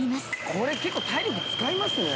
これ結構体力使いますね。